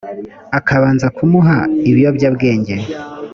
akabanza kumuha ibiyobyabwenge